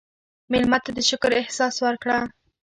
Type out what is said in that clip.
مېلمه ته د شکر احساس ورکړه.